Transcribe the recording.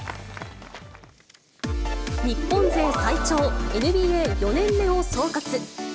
日本勢最長、ＮＢＡ４年目を総括。